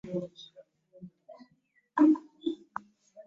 URA erina ekirungi ku express.